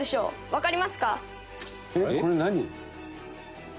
「わかりますか？」